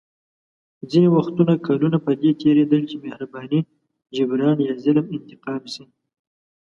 ځینې وختونه کلونه په دې تېرېدل چې مهرباني جبران یا ظلم انتقام شي.